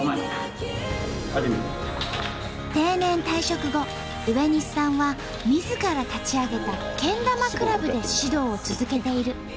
定年退職後植西さんはみずから立ち上げたけん玉クラブで指導を続けている。